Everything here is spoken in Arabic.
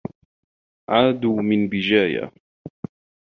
عادوا من بجاية.